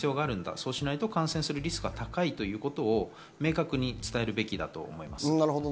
そうしないと感染するリスクが高いんだと明確に伝えるべきだと思います。